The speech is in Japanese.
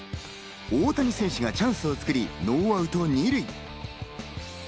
大谷選手がチャンスをつくり、ノーアウト２塁。